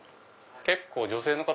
結構女性の方